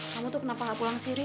kamu tuh kenapa gak pulang sih ri